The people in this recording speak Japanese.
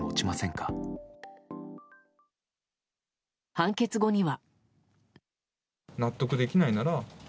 判決後には。